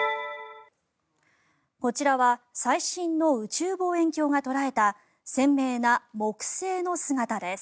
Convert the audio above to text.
こちらは最新の宇宙望遠鏡が捉えた鮮明な木星の姿です。